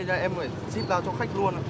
cho nên em phải zip ra cho khách luôn ạ